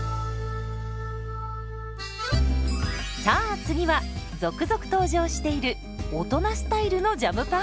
さあ次は続々登場している大人スタイルのジャムパン。